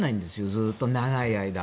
ずっと長い間。